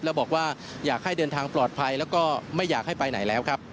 แล้วบอกว่าอยากให้เดินทางปลอดภัยแล้วก็ไม่อยากให้ไปไหนแล้วครับ